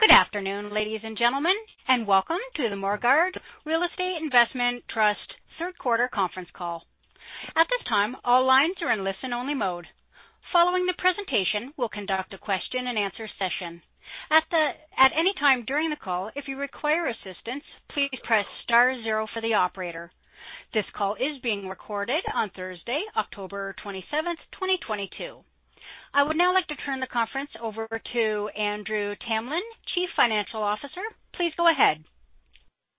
Good afternoon, ladies and gentlemen, and welcome to the Morguard Real Estate Investment Trust Third Quarter Conference Call. At this time, all lines are in listen-only mode. Following the presentation, we'll conduct a question-and-answer session. At any time during the call, if you require assistance, please press star zero for the operator. This call is being recorded on Thursday, October 27th, 2022. I would now like to turn the conference over to Andrew Tamlin, Chief Financial Officer. Please go ahead.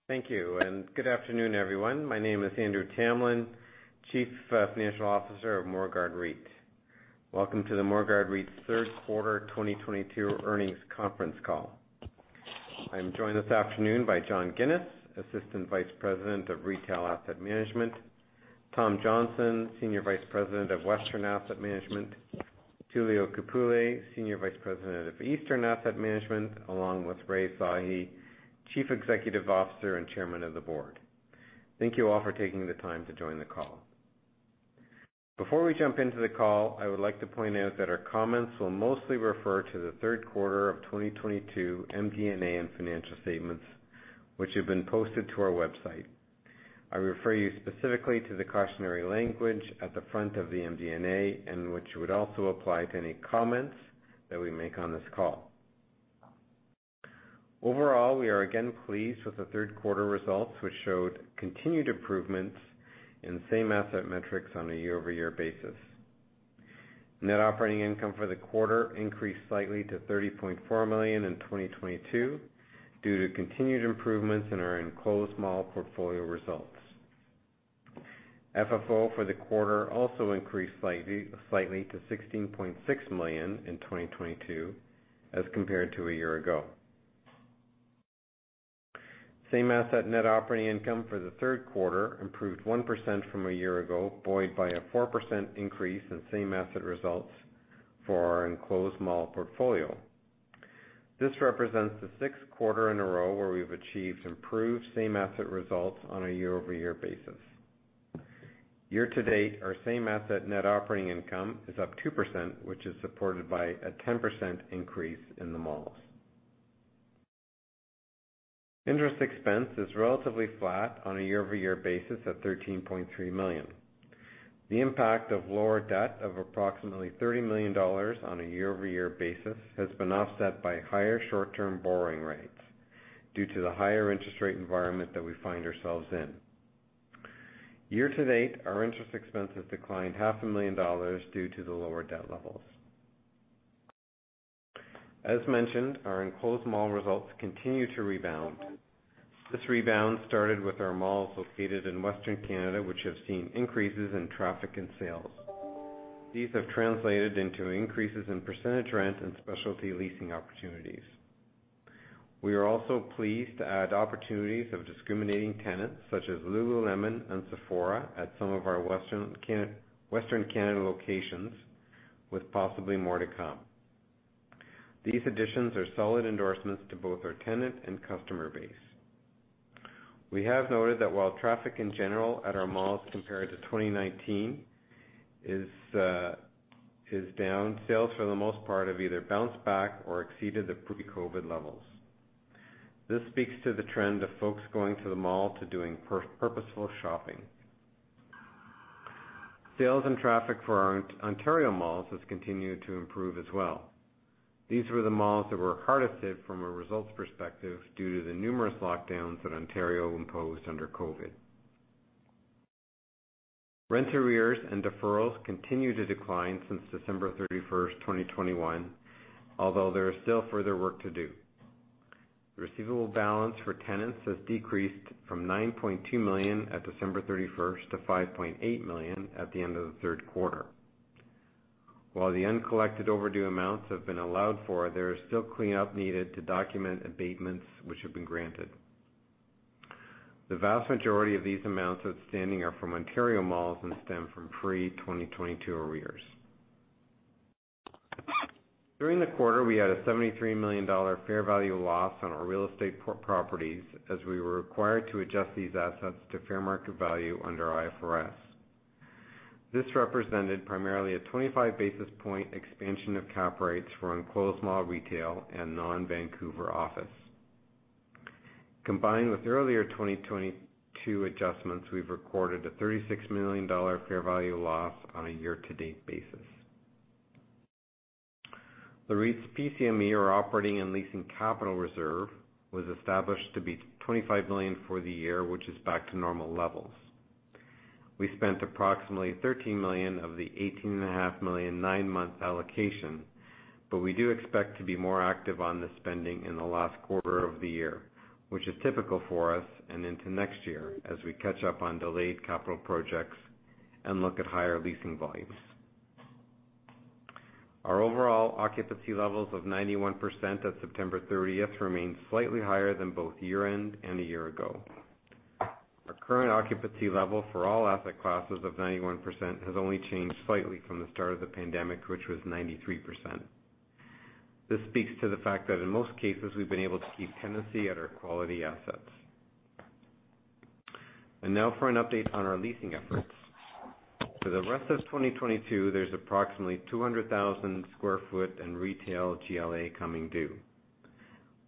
Thank you, and good afternoon, everyone. My name is Andrew Tamlin, Chief Financial Officer of Morguard REIT. Welcome to the Morguard REIT's Third Quarter 2022 Earnings Conference Call. I'm joined this afternoon by John Ginis, Assistant Vice President of Retail Asset Management, Tom Johnston, Senior Vice President of Western Asset Management, Tullio Capulli, Senior Vice President of Eastern Asset Management, along with K. Rai Sahi, Chief Executive Officer and Chairman of the Board. Thank you all for taking the time to join the call. Before we jump into the call, I would like to point out that our comments will mostly refer to the third quarter of 2022 MD&A and financial statements, which have been posted to our website. I refer you specifically to the cautionary language at the front of the MD&A, and which would also apply to any comments that we make on this call. Overall, we are again pleased with the third quarter results, which showed continued improvements in same asset metrics on a year-over-year basis. Net operating income for the quarter increased slightly to 30.4 million in 2022 due to continued improvements in our enclosed mall portfolio results. FFO for the quarter also increased slightly to 16.6 million in 2022 as compared to a year ago. Same asset net operating income for the third quarter improved 1% from a year ago, buoyed by a 4% increase in same asset results for our enclosed mall portfolio. This represents the sixth quarter in a row where we've achieved improved same asset results on a year-over-year basis. Year to date, our same asset net operating income is up 2%, which is supported by a 10% increase in the malls. Interest expense is relatively flat on a year-over-year basis at 13.3 million. The impact of lower debt of approximately 30 million dollars on a year-over-year basis has been offset by higher short-term borrowing rates due to the higher interest rate environment that we find ourselves in. Year to date, our interest expense has declined 500 million dollars due to the lower debt levels. As mentioned, our enclosed mall results continue to rebound. This rebound started with our malls located in Western Canada, which have seen increases in traffic and sales. These have translated into increases in percentage rent and specialty leasing opportunities. We are also pleased to add opportunities of discriminating tenants such as lululemon and Sephora at some of our Western Canada locations, with possibly more to come. These additions are solid endorsements to both our tenant and customer base. We have noted that while traffic in general at our malls compared to 2019 is down, sales for the most part have either bounced back or exceeded the pre-COVID levels. This speaks to the trend of folks going to the mall to do purposeful shopping. Sales and traffic for our Ontario malls has continued to improve as well. These were the malls that were hardest hit from a results perspective due to the numerous lockdowns that Ontario imposed under COVID. Rent arrears and deferrals continue to decline since December 31st, 2021, although there is still further work to do. The receivable balance for tenants has decreased from 9.2 million at December 31st to 5.8 million at the end of the third quarter. While the uncollected overdue amounts have been allowed for, there is still cleanup needed to document abatements which have been granted. The vast majority of these amounts outstanding are from Ontario malls and stem from pre-2022 arrears. During the quarter, we had a 73 million dollar fair value loss on our real estate properties as we were required to adjust these assets to fair market value under IFRS. This represented primarily a 25 basis point expansion of cap rates for enclosed mall retail and non-Vancouver office. Combined with earlier 2022 adjustments, we've recorded a 36 million dollar fair value loss on a year-to-date basis. The REIT's PCME, or operating and leasing capital reserve, was established to be 25 million for the year, which is back to normal levels. We spent approximately 13 million of the 18.5 million nine-month allocation, but we do expect to be more active on the spending in the last quarter of the year, which is typical for us and into next year as we catch up on delayed capital projects and look at higher leasing volumes. Our overall occupancy levels of 91% at September 30th remain slightly higher than both year-end and a year ago. Our current occupancy level for all asset classes of 91% has only changed slightly from the start of the pandemic, which was 93%. This speaks to the fact that in most cases, we've been able to keep tenancy at our quality assets. Now for an update on our leasing efforts. For the rest of 2022, there's approximately 200,000 sq ft in retail GLA coming due.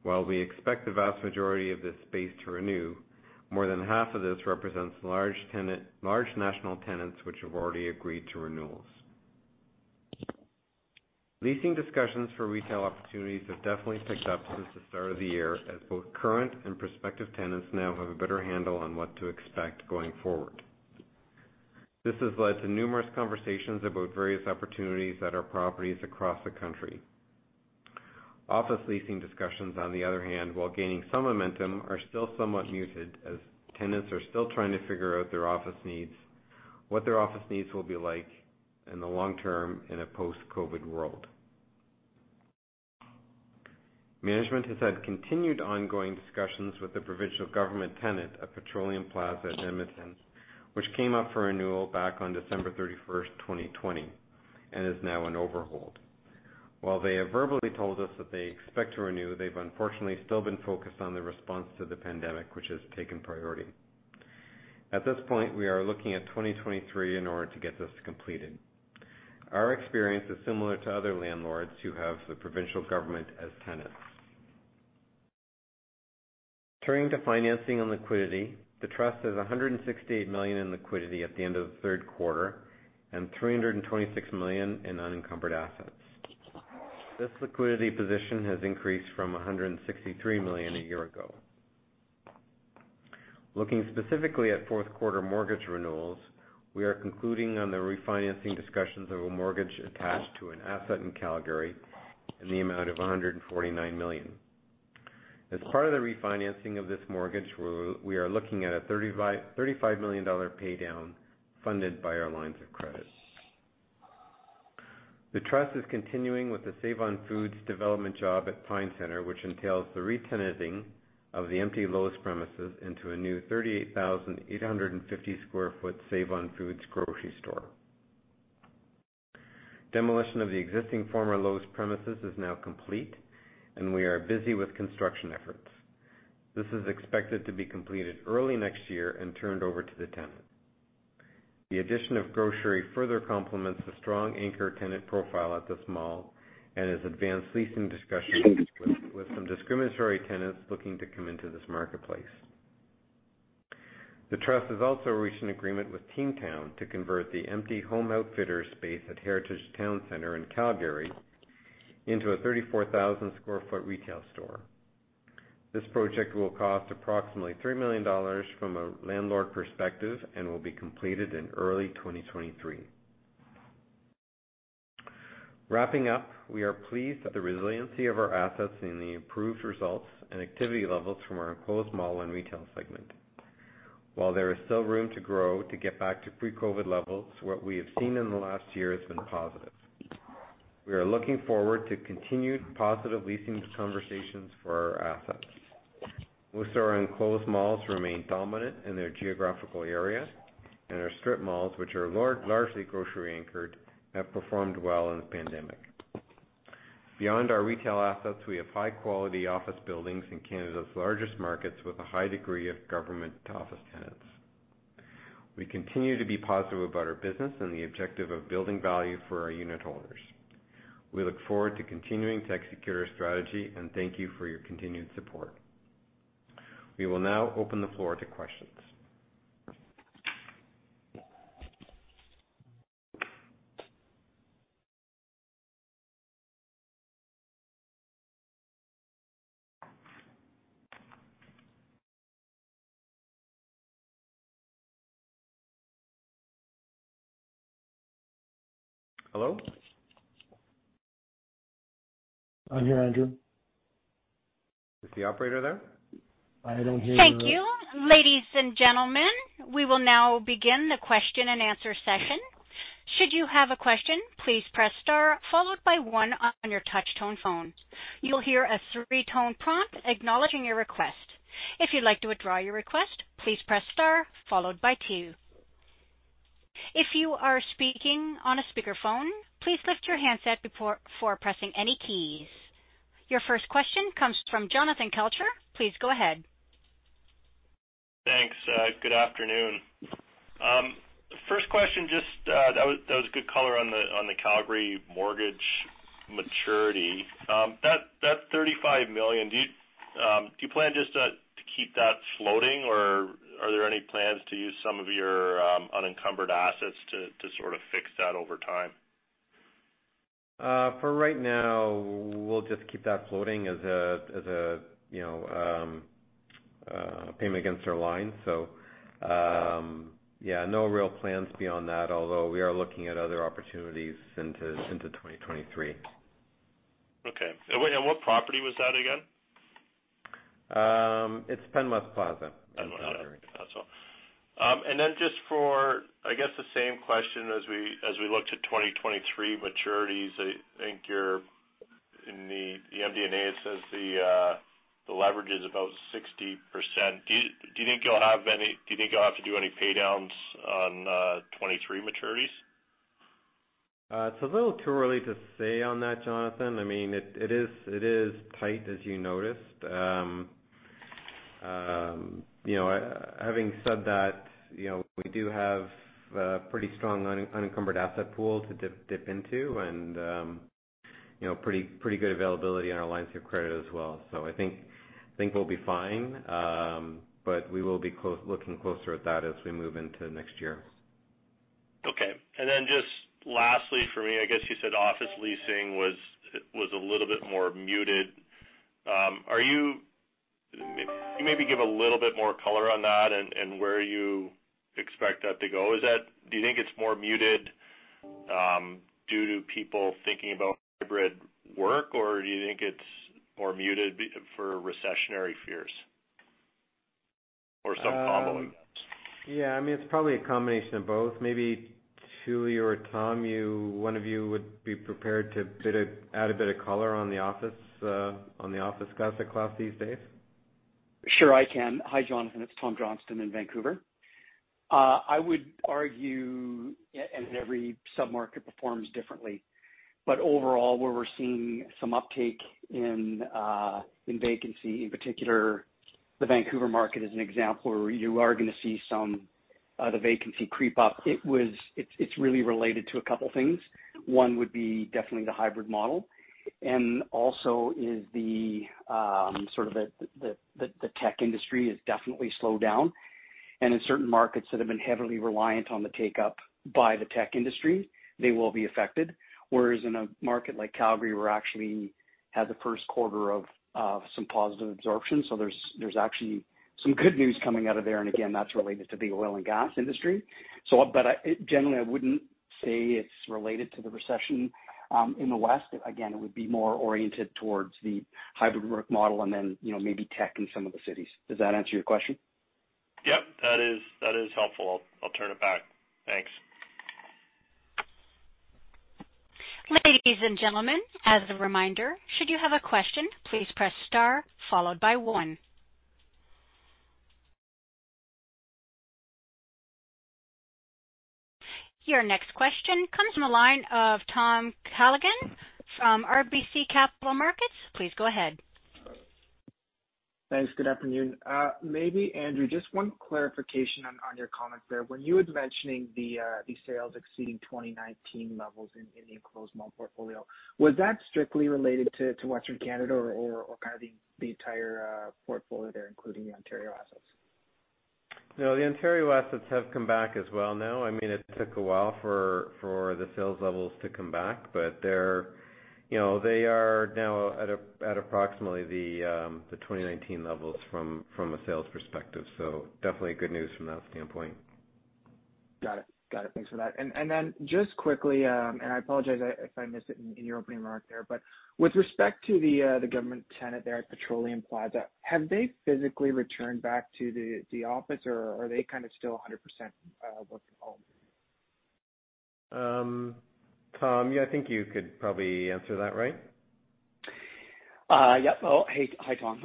While we expect the vast majority of this space to renew, more than half of this represents large national tenants which have already agreed to renewals. Leasing discussions for retail opportunities have definitely picked up since the start of the year, as both current and prospective tenants now have a better handle on what to expect going forward. This has led to numerous conversations about various opportunities at our properties across the country. Office leasing discussions, on the other hand, while gaining some momentum, are still somewhat muted as tenants are still trying to figure out their office needs, what their office needs will be like in the long term in a post-COVID world. Management has had continued ongoing discussions with the provincial government tenant of Petroleum Plaza at Edmonton, which came up for renewal back on December 31st, 2020, and is now in overhold. While they have verbally told us that they expect to renew, they've unfortunately still been focused on the response to the pandemic, which has taken priority. At this point, we are looking at 2023 in order to get this completed. Our experience is similar to other landlords who have the provincial government as tenants. Turning to financing and liquidity. The trust has 168 million in liquidity at the end of the third quarter and 326 million in unencumbered assets. This liquidity position has increased from 163 million a year ago. Looking specifically at fourth quarter mortgage renewals, we are concluding on the refinancing discussions of a mortgage attached to an asset in Calgary in the amount of 149 million. As part of the refinancing of this mortgage, we are looking at a 35 million dollar pay down funded by our lines of credit. The trust is continuing with the Save-On-Foods development job at Pine Centre, which entails the re-tenanting of the empty Lowe's premises into a new 38,850 sq ft Save-On-Foods grocery store. Demolition of the existing former Lowe's premises is now complete, and we are busy with construction efforts. This is expected to be completed early next year and turned over to the tenant. The addition of grocery further complements the strong anchor tenant profile at this mall and has advanced leasing discussions with some discretionary tenants looking to come into this marketplace. The trust has also reached an agreement with Team Town to convert the empty Home Outfitters space at Heritage Towne Centre in Calgary into a 34,000 sq ft retail store. This project will cost approximately 3 million dollars from a landlord perspective and will be completed in early 2023. Wrapping up, we are pleased with the resiliency of our assets and the improved results and activity levels from our enclosed mall and retail segment. While there is still room to grow to get back to pre-COVID levels, what we have seen in the last year has been positive. We are looking forward to continued positive leasing conversations for our assets. Most of our enclosed malls remain dominant in their geographical area, and our strip malls, which are largely grocery anchored, have performed well in the pandemic. Beyond our retail assets, we have high quality office buildings in Canada's largest markets with a high degree of government office tenants. We continue to be positive about our business and the objective of building value for our unit holders. We look forward to continuing to execute our strategy, and thank you for your continued support. We will now open the floor to questions. Hello? I'm here, Andrew. Is the operator there? I don't hear you. Thank you. Ladies and gentlemen, we will now begin the question and answer session. Should you have a question, please press star followed by one on your touch tone phone. You will hear a three-tone prompt acknowledging your request. If you'd like to withdraw your request, please press star followed by two. If you are speaking on a speaker phone, please lift your handset before pressing any keys. Your first question comes from Jonathan Kelcher. Please go ahead. Thanks. Good afternoon. First question, just that was good color on the Calgary mortgage maturity. That 35 million, do you plan just to keep that floating, or are there any plans to use some of your unencumbered assets to sort of fix that over time? For right now, we'll just keep that floating as a you know payment against our line. Yeah, no real plans beyond that, although we are looking at other opportunities into 2023. Okay. Wait, what property was that again? It's Penn West Plaza. Penn West Plaza. That's all. Just for, I guess, the same question as we look to 2023 maturities, I think you're in the MD&A, it says the leverage is about 60%. Do you think you'll have to do any pay downs on 2023 maturities? It's a little too early to say on that, Jonathan. I mean, it is tight as you noticed. You know, having said that, you know, we do have a pretty strong unencumbered asset pool to dip into and, you know, pretty good availability on our lines of credit as well. I think we'll be fine, but we will be looking closer at that as we move into next year. Okay. Then just lastly for me, I guess you said office leasing was a little bit more muted. Might you give a little bit more color on that and where you expect that to go? Do you think it's more muted due to people thinking about hybrid work, or do you think it's more muted for recessionary fears or some combo of those? Yeah, I mean, it's probably a combination of both. Maybe Julie or Tom, one of you would be prepared to add a bit of color on the office asset class these days. Sure, I can. Hi, Jonathan. It's Tom Johnston in Vancouver. I would argue and every sub-market performs differently, but overall where we're seeing some uptick in vacancy in particular, the Vancouver market is an example where you are gonna see some, the vacancy creep up. It's really related to a couple things. One would be definitely the hybrid model and also is the sort of the tech industry has definitely slowed down. In certain markets that have been heavily reliant on the take up by the tech industry, they will be affected. Whereas in a market like Calgary, we're actually had the first quarter of some positive absorption. There's actually some good news coming out of there, and again, that's related to the oil and gas industry. I generally wouldn't say it's related to the recession in the West. Again, it would be more oriented towards the hybrid work model and then, you know, maybe tech in some of the cities. Does that answer your question? Yep, that is helpful. I'll turn it back. Thanks. Ladies and gentlemen, as a reminder, should you have a question, please press star followed by one. Your next question comes from the line of Tom Callaghan from RBC Capital Markets. Please go ahead. Thanks. Good afternoon. Maybe Andrew, just one clarification on your comment there. When you were mentioning the sales exceeding 2019 levels in the enclosed mall portfolio, was that strictly related to Western Canada or kind of the entire portfolio there, including the Ontario assets? No, the Ontario assets have come back as well now. I mean, it took a while for the sales levels to come back, but they're, you know, they are now at approximately the 2019 levels from a sales perspective. Definitely good news from that standpoint. Got it. Thanks for that. Then just quickly, and I apologize if I missed it in your opening remarks there, but with respect to the government tenant there at Penn West Plaza, have they physically returned back to the office or are they kind of still 100% working from home? Tom, yeah, I think you could probably answer that, right? Yeah. Well, hey, hi, Tom.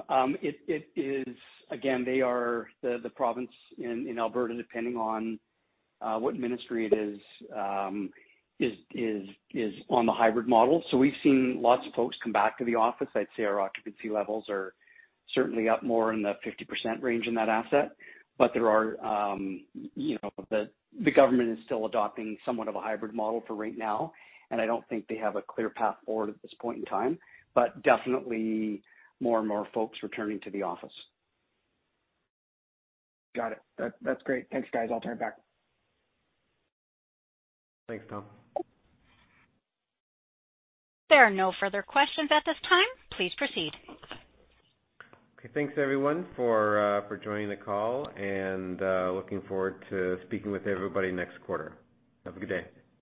Again, they are the province in Alberta, depending on what ministry it is on the hybrid model. We've seen lots of folks come back to the office. I'd say our occupancy levels are certainly up more in the 50% range in that asset. There are, you know, the government is still adopting somewhat of a hybrid model for right now, and I don't think they have a clear path forward at this point in time. Definitely more and more folks returning to the office. Got it. That's great. Thanks, guys. I'll turn it back. Thanks, Tom. There are no further questions at this time. Please proceed. Okay, thanks everyone for joining the call, and looking forward to speaking with everybody next quarter. Have a good day.